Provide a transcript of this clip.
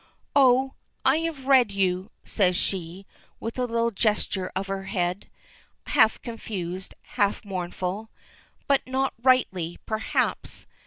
"Oh, I have read you," says she, with a little gesture of her head, half confused, half mournful. "But not rightly, perhaps.